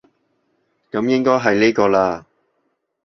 噉應該係呢個喇